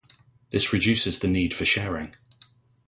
This reduces the need for sharing.